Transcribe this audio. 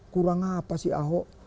kurang apa sih ahok